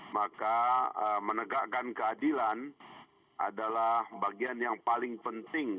maka menegakkan keadilan adalah bagian yang paling penting